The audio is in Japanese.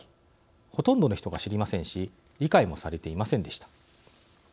ほとんどの人が知りませんし理解もされていませんでした。